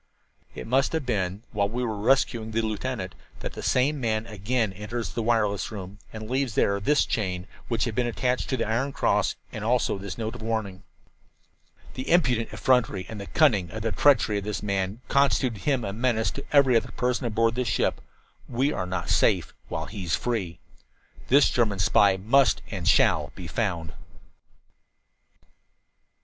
"It must have been while we were rescuing the lieutenant that the same man again enters the wireless room and leaves there this chain, which had been attached to the iron cross, and also this note of warning. "The impudent effrontery and the cunning treachery of this man constitute him a menace to every other person aboard this ship. We are not safe while he is free. "This German spy must and shall be found."